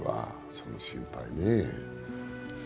その心配、ね。